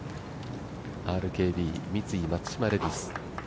ＲＫＢ×三井松島レディス